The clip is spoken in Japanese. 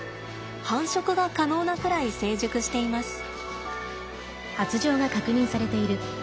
繁殖が可能なくらい成熟しています。